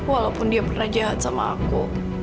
walaupun dia pernah jahat sama aku